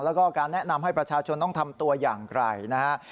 แล้วก็การแนะนำให้ประชาชนต้องทำตัวอย่างไกลนะฮะ